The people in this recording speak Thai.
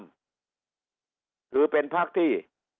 คือเป็นพักที่